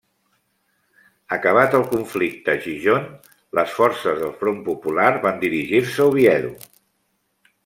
Acabat el conflicte a Gijón, les forces del Front Popular van dirigir-se a Oviedo.